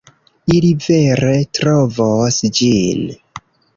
Ili vere trovos ĝin.